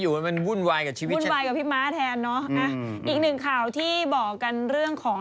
แต่ว่าเขาจะมีวิธีอะไรอย่างนี้แหละ